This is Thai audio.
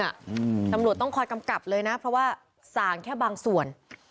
อืมตำรวจต้องคอยกำกับเลยนะเพราะว่าสั่งแค่บางส่วน